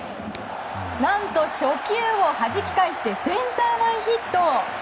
何と初球をはじき返してセンター前ヒット！